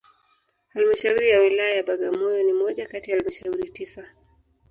Halmashauri ya Wilaya ya Bagamoyo ni moja kati ya halmashuri tisa